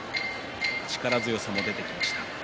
力強さも出てきました。